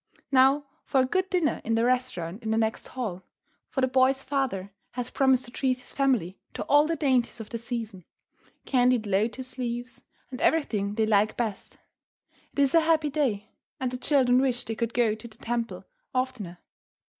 Now for a good dinner in the restaurant in the next hall, for the boy's father has promised to treat his family to all the dainties of the season, candied lotus leaves, and everything they like best. It is a happy day, and the children wish they could go to the temple oftener.